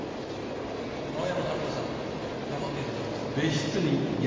青山春子さん残っていただけますか？